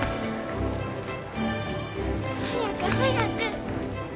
早く早く。